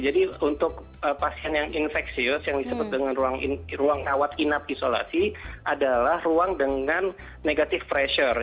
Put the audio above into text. jadi untuk pasien yang infeksius yang disebut dengan ruang kawat inap isolasi adalah ruang dengan negative pressure